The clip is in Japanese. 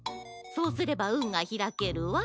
そうすればうんがひらけるわ。